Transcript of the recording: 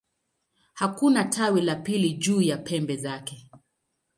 Hakuna tawi la pili juu ya pembe zake.